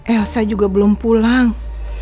elsa juga belum pulang